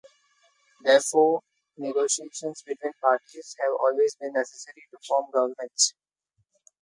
Therefore, negotiations between parties have always been necessary to form governments.